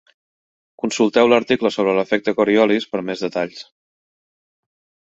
Consulteu l'article sobre l'Efecte Coriolis per a més detalls.